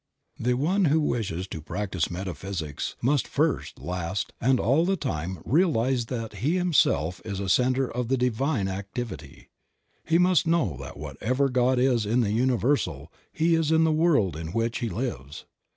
TTHE one who wishes to practise metaphysics must first, last, and all the time realize that he himself is a center of the divine activity ; he must know that whatever God is in the Universal, he is in the world in which he lives.